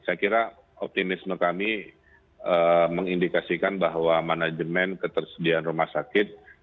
saya kira optimisme kami mengindikasikan bahwa manajemen ketersediaan rumah sakit